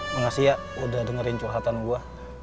makasih ya udah dengerin curhatan gue